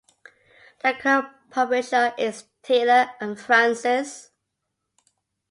The current publisher is Taylor and Francis.